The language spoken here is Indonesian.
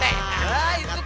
hah itu takut